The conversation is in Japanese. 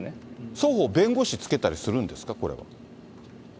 双方、弁護士つけたりするんですか、これは。